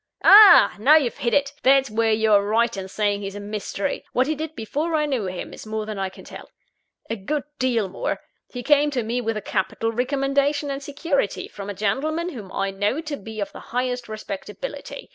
"Ah! now you've hit it that's where you're right in saying he's a mystery. What he did before I knew him, is more than I can tell a good deal more. He came to me with a capital recommendation and security, from a gentleman whom I knew to be of the highest respectability.